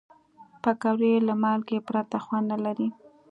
پکورې له مالګې پرته خوند نه لري